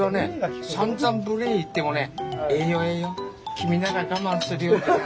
「君なら我慢するよ」ってね。